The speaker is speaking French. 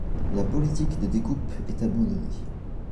La politique de découpe est abandonnée.